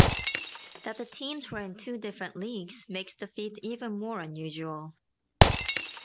That the teams were in two different leagues makes the feat even more unusual.